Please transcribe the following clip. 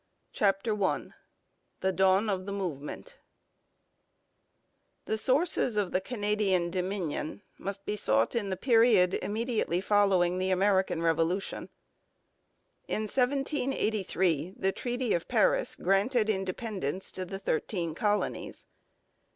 CHAPTER I THE DAWN OF THE MOVEMENT The sources of the Canadian Dominion must be sought in the period immediately following the American Revolution. In 1783 the Treaty of Paris granted independence to the Thirteen Colonies.